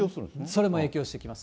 それも影響してきます。